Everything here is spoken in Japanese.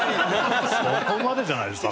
そこまでじゃないでしょ